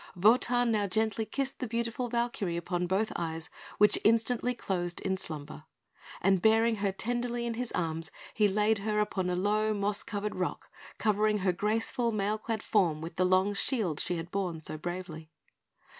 Wotan now gently kissed the beautiful Valkyrie upon both eyes, which instantly closed in slumber; and bearing her tenderly in his arms, he laid her upon a low, moss covered rock covering her graceful mail clad form with the long shield she had borne so bravely.